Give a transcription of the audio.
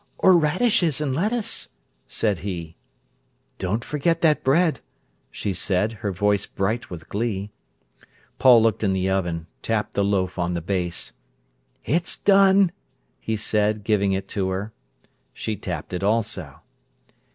"Or radishes and lettuce," said he. "Don't forget that bread," she said, her voice bright with glee. Paul looked in the oven; tapped the loaf on the base. "It's done," he said, giving it to her. She tapped it also.